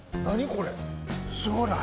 これすごない？